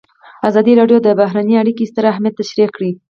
ازادي راډیو د بهرنۍ اړیکې ستر اهميت تشریح کړی.